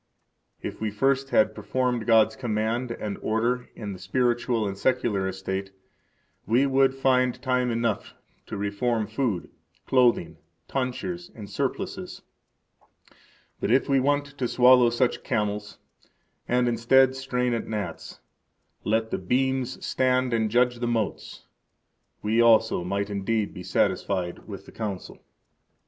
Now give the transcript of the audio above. If we first had performed God's command and order in the spiritual and secular estate, we would find time enough to reform food, clothing, tonsures, and surplices. But if we want to swallow such camels, and, instead, strain at gnats, let the beams stand and judge the motes, we also might indeed be satisfied with the Council.